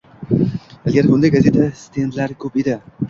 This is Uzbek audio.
Ilgari bunday gazeta stendlari ko'p edi.